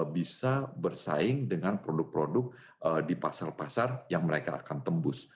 bisa bersaing dengan produk produk di pasar pasar yang mereka akan tembus